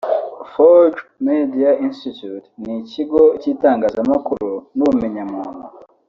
Fojo Media Institute ni ikigo cy’itangazamakuru n’ubumenyamuntu